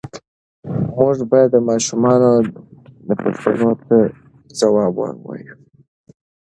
موږ باید د ماشومانو پوښتنو ته ځواب ووایو.